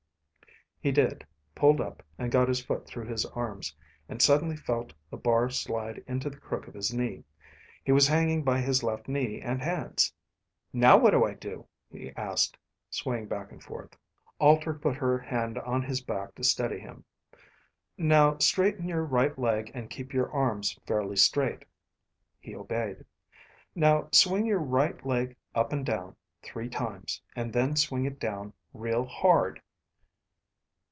He did, pulled up, and got his foot through his arms, and suddenly felt the bar slide into the crook of his knee. He was hanging by his left knee and hands. "Now what do I do?" he asked, swaying back and forth. Alter put her hand on his back to steady him. "Now straighten your right leg, and keep your arms fairly straight." He obeyed. "Now swing your right leg up and down, three times, and then swing it down real hard."